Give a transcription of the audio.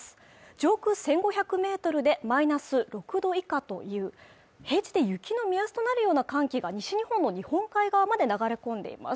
上空１５００メートルでマイナス６度以下という平地で雪の目安となるような寒気が西日本の日本海側まで流れ込んでいます